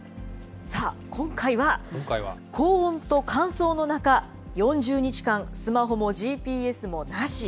さあ、今回は高温と乾燥の中、４０日間、スマホもＧＰＳもなし。